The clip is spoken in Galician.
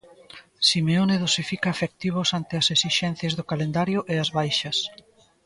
Simeone dosifica efectivos ante as esixencias do calendario e as baixas.